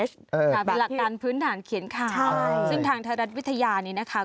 หลักการพื้นฐานเขียนข่าวซึ่งทางไทยรัฐวิทยานี้นะคะ